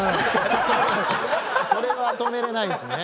それは止めれないですね。